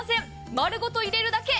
丸ごと入れるだけ。